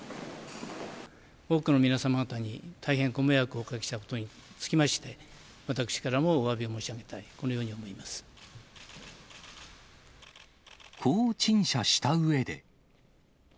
多くの皆様方に大変ご迷惑をおかけしたことにつきまして、私からもおわび申し上げたい、こう陳謝したうえで。